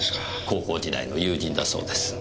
高校時代の友人だそうです。